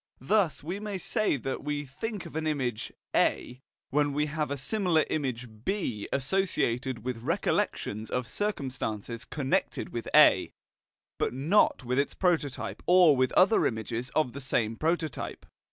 Thus we may say that we think of an image A when we have a similar image B associated with recollections of circumstances connected with A, but not with its prototype or with other images of the same prototype.